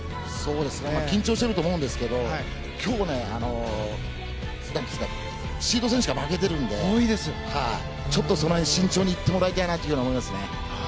緊張していると思うんですけど今日、シード選手が負けているのでちょっとその辺慎重に行ってもらいたいなと思いますね。